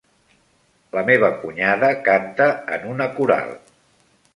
La meva cunyada canta en una coral.